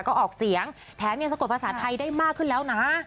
ก็ออกเสียงแถมยังสะกดภาษาไทยได้มากขึ้นแล้วนะ